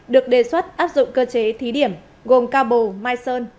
được đề xuất áp dụng cơ chế thí điểm gồm cao bồ mai sơn